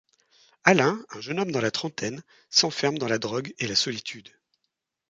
Alain, un jeune homme dans la trentaine, s'enferme dans la drogue et la solitude.